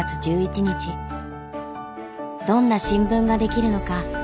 どんな新聞が出来るのか。